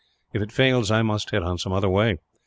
If it fails, I must hit on some other way.